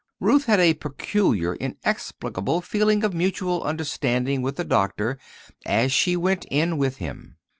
Ruth had a peculiar, inexplicable feeling of mutual understanding with the doctor as she went in with him.